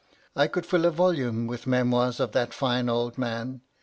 I could fill a volume with memoirs of that fine old man.